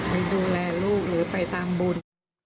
ไปดูแลลูกหรือไปตามบุญ